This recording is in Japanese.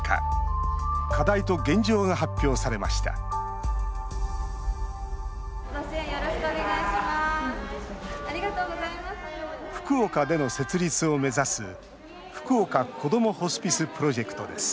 課題と現状が発表されました福岡での設立を目指す福岡子どもホスピスプロジェクトです。